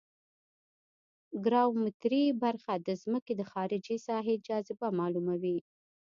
ګراومتري برخه د ځمکې د خارجي ساحې جاذبه معلوموي